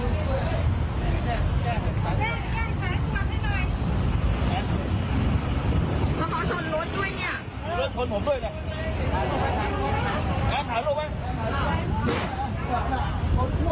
นี่ปลายแล้ว